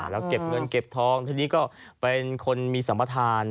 แล้วเก็บเงินเก็บทองทีนี้ก็เป็นคนมีสัมประธาน